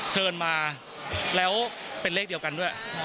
เชิญมาแล้วเป็นเลขเดียวกันด้วย